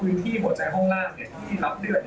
พวกนี้ผมจะต้องการตรวจชื่นไปตามเหมือนกัน